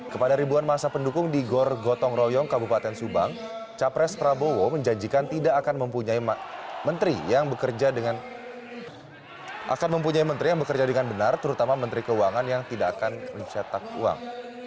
kepada ribuan masa pendukung di gor gotong royong kabupaten subang capres prabowo menjanjikan tidak akan mempunyai menteri yang bekerja dengan benar terutama menteri keuangan yang tidak akan mencetak uang